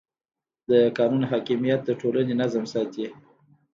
د قانون حاکمیت د ټولنې نظم ساتي.